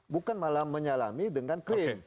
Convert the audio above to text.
bukan malah menyelami dengan krim